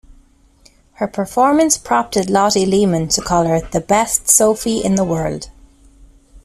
Her performance prompted Lotte Lehmann to call her 'the best Sophie in the world'.